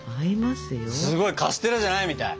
すごいカステラじゃないみたい。